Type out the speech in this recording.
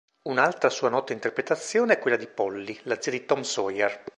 Un'altra sua nota interpretazione è quella di Polly, la zia di Tom Sawyer.